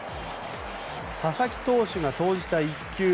佐々木投手が投じた１球。